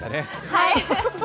はい。